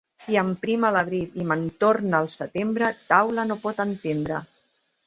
Qui emprima a l'abril i mantorna al setembre, taula no pot entendre.